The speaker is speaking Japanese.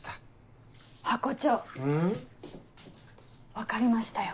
分かりましたよ。